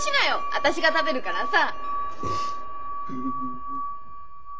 私が食べるからさ。